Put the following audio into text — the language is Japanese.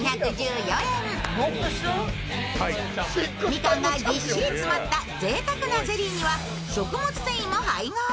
みかんがギッシリ詰まったぜいたくなゼリーには、食物繊維も配合。